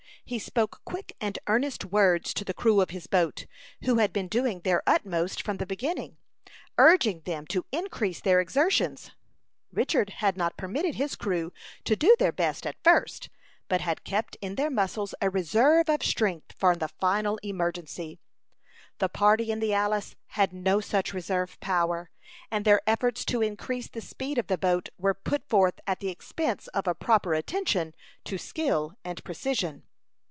He spoke quick and earnest words to the crew of his boat, who had been doing their utmost from the beginning, urging them to increase their exertions. Richard had not permitted his crew to do their best at first, but had kept in their muscles a reserve of strength for the final emergency. The party in the Alice had no such reserve power, and their efforts to increase the speed of the boat were put forth at the expense of a proper attention to skill and precision.